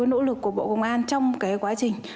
nỗ lực của bộ công an trong quá trình